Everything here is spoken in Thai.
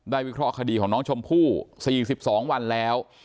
วิเคราะห์คดีของน้องชมพู่๔๒วันแล้ว